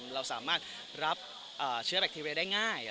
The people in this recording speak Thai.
เราสามารถรับเชื้อแบคทีเวย์ได้ง่าย